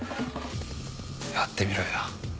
やってみろよ。